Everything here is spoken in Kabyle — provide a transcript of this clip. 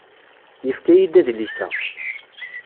Yefka-iyi-d adlis-a.